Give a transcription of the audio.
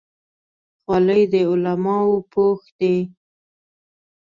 خولۍ د علماو پوښ دی.